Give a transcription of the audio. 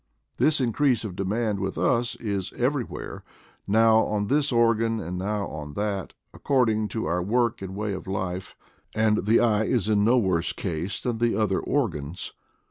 This increase of demand with us is everywhere — now on this organ and now on that, according to our work and way of life, and the eye is in no worse case than the other organs.